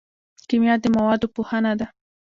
کیمیا د موادو پوهنه ده